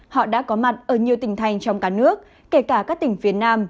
họ đã có mặt ở nhiều tỉnh thành trong cả nước kể cả các tỉnh phía nam